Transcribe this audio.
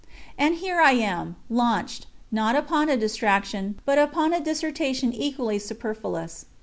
And here am I, launched, not upon a distraction, but upon a dissertation equally superfluous.